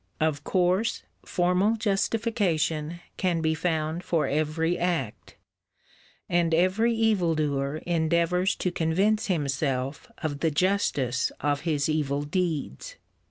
Of course, formal justification can be found for every act, and every evil doer endeavours to convince himself of the justice of his evil deeds.